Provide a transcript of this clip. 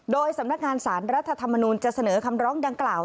โดยสำนักงานสารรัฐธรรมนูลจะเสนอคำร้องดังกล่าว